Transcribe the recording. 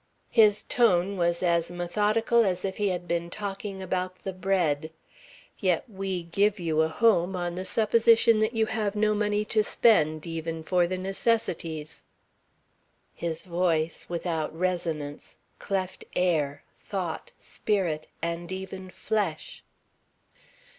His tone was as methodical as if he had been talking about the bread. "Yet we give you a home on the supposition that you have no money to spend, even for the necessities." His voice, without resonance, cleft air, thought, spirit, and even flesh.